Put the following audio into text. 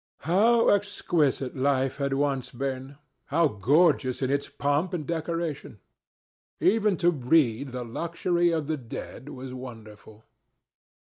How exquisite life had once been! How gorgeous in its pomp and decoration! Even to read of the luxury of the dead was wonderful.